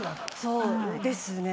そうですね。